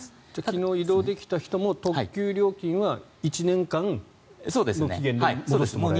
昨日移動できた人も特急料金は１年間の期限で戻してもらえるという。